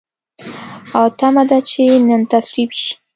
او تمه ده چې نن تصویب شي.